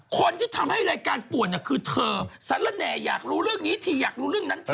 คนที่ทำให้รายการป่วนคือเธอสรรแห่อยากรู้เรื่องนี้ทีอยากรู้เรื่องนั้นที